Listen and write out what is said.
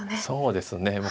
そうですね。